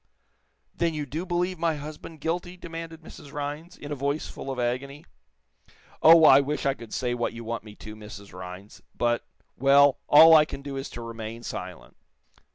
"Then you do believe my husband guilty?" demanded Mrs. Rhinds, in a voice full of agony. "Oh, I wish I could say what you want me to, Mrs. Rhinds, but well, all I can do is to remain silent."